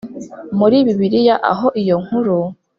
muri Bibiliya aho iyo nkuru